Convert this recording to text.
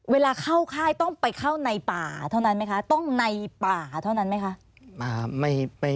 เวลาเข้าค่ายต้องไปเข้าในป่าเท่านั้นไหมคะ